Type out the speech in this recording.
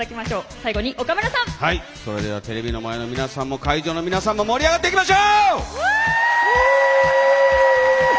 最後に、岡村さん！それではテレビの前の皆さんも会場の皆さんも盛り上がっていきましょう！